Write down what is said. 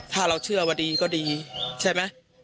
ถ้าเราเชื่อว่าดีก็ดีใช่ไหม